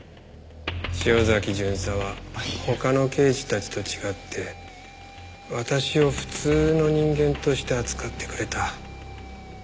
潮崎巡査は他の刑事たちと違って私を普通の人間として扱ってくれた。